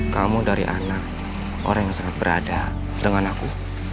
kamu dari anak orang yang sangat berada dengan aku